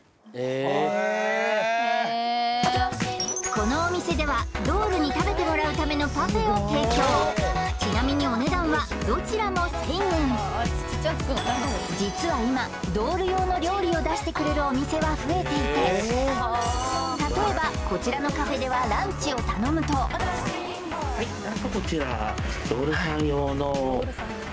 このお店ではドールに食べてもらうためのパフェを提供ちなみにお値段はどちらも１０００円実は今ドール用の料理を出してくれるお店は増えていて例えばこちらのカフェではランチを頼むとはいわあ！